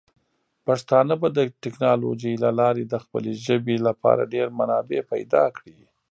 پښتانه به د ټیکنالوجۍ له لارې د خپلې ژبې لپاره ډیر منابع پیدا کړي.